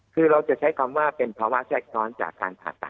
คือเราจะใช้คำว่าเป็นภาวะแทรกซ้อนจากการผ่าตัด